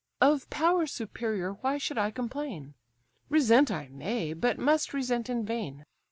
Of power superior why should I complain? Resent I may, but must resent in vain.